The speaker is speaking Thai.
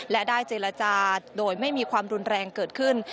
และได้เจรจาโดยไม่มีความรุนแรงเกิดขึ้น